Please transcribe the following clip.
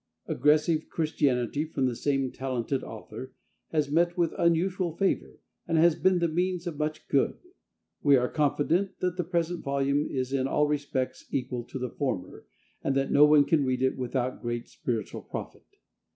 "Aggressive Christianity," from the same talented author, has met with unusual favor, and has been the means of much good. We are confident that the present volume is in all respects equal to the former, and that no one can read it without great spiritual profit.